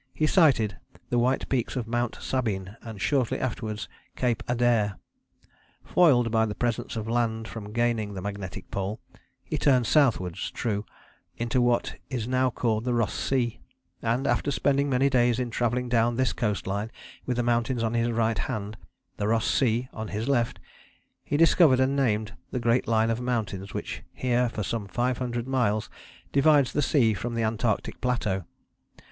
he sighted, the white peaks of Mount Sabine and shortly afterwards Cape Adare. Foiled by the presence of land from gaining the magnetic Pole, he turned southwards (true) into what is now called the Ross Sea, and, after spending many days in travelling down this coast line with the mountains on his right hand, the Ross Sea on his left, he discovered and named the great line of mountains which here for some five hundred miles divides the sea from the Antarctic plateau.